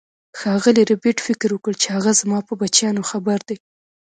ښاغلي ربیټ فکر وکړ چې هغه زما په بچیانو خبر دی